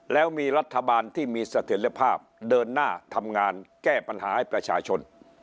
แล้วมีรัฐบาลที่มีเสถียรภาพเดินหน้าทำงานแก้ปัญหาให้ประชาชน